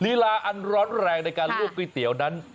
ลีลาอันร้อนแรงในการลวกก๋วยเตี๋ยวนั้น